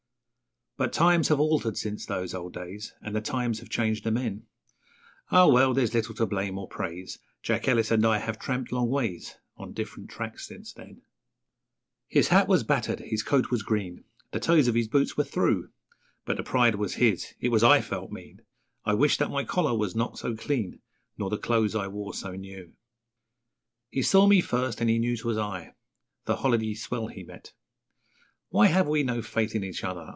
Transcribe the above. But times have altered since those old days, And the times have changed the men. Ah, well! there's little to blame or praise Jack Ellis and I have tramped long ways On different tracks since then. His hat was battered, his coat was green, The toes of his boots were through, But the pride was his! It was I felt mean I wished that my collar was not so clean, Nor the clothes I wore so new. He saw me first, and he knew 'twas I The holiday swell he met. Why have we no faith in each other?